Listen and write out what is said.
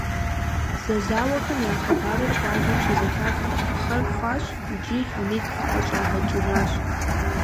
Зэзауэхэм я хъыбарыр къуажэм щызэхахри, пхъэр хъуащ икӀи Хьэмид къыӀэщӀагъэкӀыжащ.